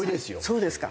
そうですか。